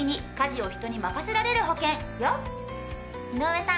井上さん